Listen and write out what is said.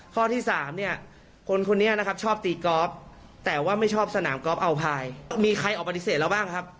ข้อที่๓เนี่ยคนคนนี้นะครับชอบตีกอล์ฟแต่ว่าไม่ชอบสนามกอล์อัลพายมีใครออกปฏิเสธเราบ้างครับ